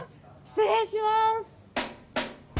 失礼します。